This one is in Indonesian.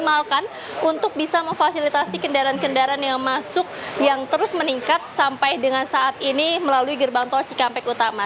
memaksimalkan untuk bisa memfasilitasi kendaraan kendaraan yang masuk yang terus meningkat sampai dengan saat ini melalui gerbang tol cikampek utama